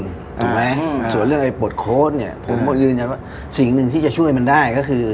ถูกไหมส่วนเรื่องไอ้ปลดโค้ดเนี่ยผมก็ยืนยันว่าสิ่งหนึ่งที่จะช่วยมันได้ก็คือ